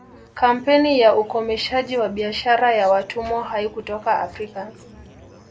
Kampeni ya ukomeshaji wa biashara ya watumwa haikutoka Afrika